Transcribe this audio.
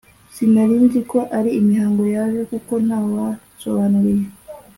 sinari nzi ko ari imihango yaje kuko ntawansobanuriye